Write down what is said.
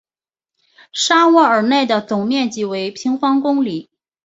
沙沃尔奈的总面积为平方公里。